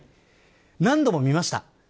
何度も見ました。